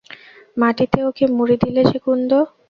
মাটিতে ওকে মুড়ি দিলে যে কুন্দ?